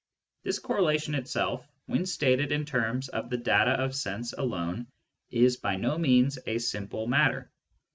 This correlation itself, when stated in terms of the data of sense alone, is by no means a simple matter.